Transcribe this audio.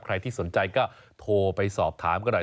ใครที่สนใจก็โทรไปสอบถามก็ได้